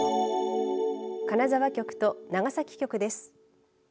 金沢局と長崎局です。